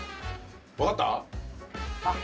分かった？